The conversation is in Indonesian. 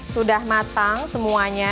sudah matang semuanya